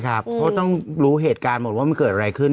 เพราะต้องรู้เหตุการณ์หมดว่ามันเกิดอะไรขึ้น